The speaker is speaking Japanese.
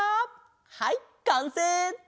はいかんせい！